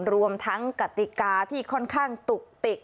รวมทั้งกติกาที่ค่อนข้างตุกติก